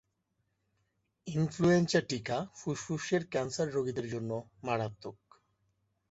Influenza টিকা ফুসফুসের cancer রোগীদের জন্য মারাত্মক।